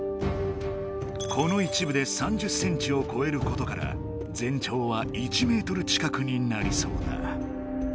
この一部で３０センチをこえることから全長は１メートル近くになりそうだ。